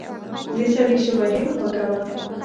د سړي ژبه ډېره خوږه وه.